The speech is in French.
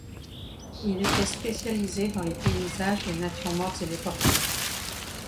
Il était spécialisé dans les paysages, les natures mortes et les portraits.